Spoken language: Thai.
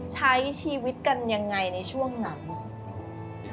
ใช้ชีวิตกันยังไงในช่วงนั้น